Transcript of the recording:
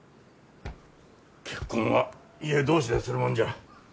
結婚は家同士でするもんじゃ。